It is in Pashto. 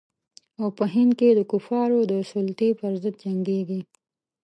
او په هند کې د کفارو د سلطې پر ضد جنګیږي.